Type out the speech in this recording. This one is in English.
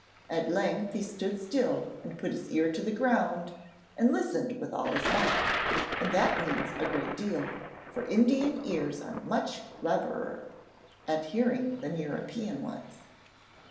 At length he stood still and put his ear to the ground and listened with all his might, and that means a great deal, for Indian ears are much cleverer at hearing than European ones.